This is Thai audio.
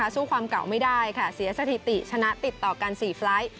สู้ความเก่าไม่ได้ค่ะเสียสถิติชนะติดต่อกัน๔ไฟล์ท